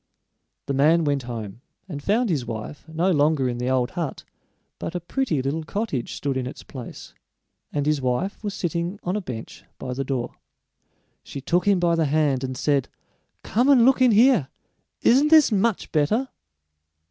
The man went home and found his wife no longer in the old hut, but a pretty little cottage stood in its place, and his wife was sitting on a bench by the door. She took him by the hand, and said: "Come and look in here isn't this much better?"